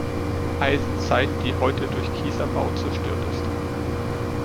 Eisenzeit, die heute durch Kiesabbau zerstört ist.